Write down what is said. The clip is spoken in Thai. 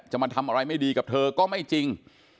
มาทำอะไรไม่ดีกับเธอก็ไม่จริง